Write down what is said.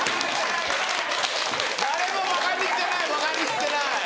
誰もばかにしてないばかにしてない！